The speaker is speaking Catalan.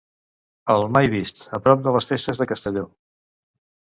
El "mai vist" a prop de les festes de Castelló.